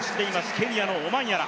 ケニアのオマンヤラ。